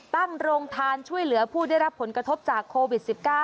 โรงทานช่วยเหลือผู้ได้รับผลกระทบจากโควิด๑๙